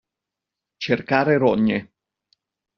Cercare rogne.